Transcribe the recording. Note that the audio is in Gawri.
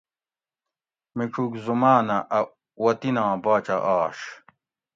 مڄوگ زمانہ ا وطناں باچہ آش